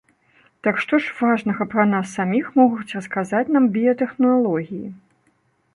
Так што ж важнага пра нас саміх могуць расказаць нам біятэхналогіі?